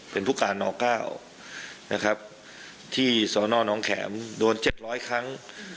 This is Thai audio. เป็นผู้การน๙นะครับที่สนน้องแข็มโดน๗๐๐ครั้ง